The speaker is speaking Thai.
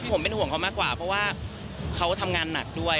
ผมเป็นห่วงเขามากกว่าเพราะว่าเขาทำงานหนักด้วย